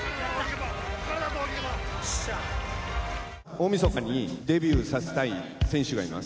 大みそかにデビューさせたい選手がいます。